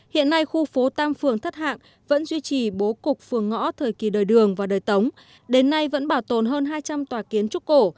hiện nay khu phố tam phường thất hạng vẫn duy trì bố cục phường ngõ thời kỳ đời đường và đời tống đến nay vẫn bảo tồn hơn hai trăm linh tòa kiến trúc cổ